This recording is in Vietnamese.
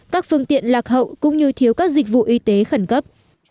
các phương tiện lạc hậu cũng như thiếu các dịch vụ y tế khẩn cấp